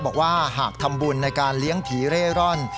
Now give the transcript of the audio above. บอกว่าหากทำบุญในการเลี้ยงผีเร่ร่อน